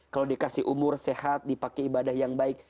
kalau dikasih umur sehat dipakai ibadah yang baik